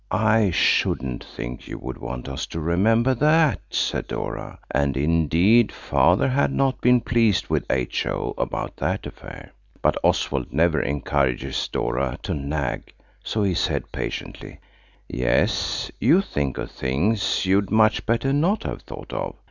"I shouldn't think you would want us to remember that," said Dora. And indeed Father had not been pleased with H.O. about that affair. But Oswald never encourages Dora to nag, so he said patiently– "Yes, you think of things you'd much better not have thought of.